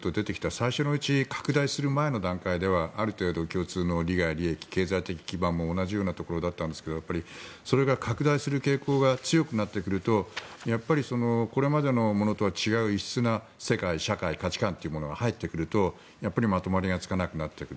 最初のうちに拡大する前の段階ではある程度共通の利害、利益経済的基盤も同じようなところだったんですけどやっぱりそれが拡大する傾向が強くなってくるとやっぱりこれまでのものとは違う異質な世界、社会、価値観が入ってくるとまとまりがつかなくなってくる。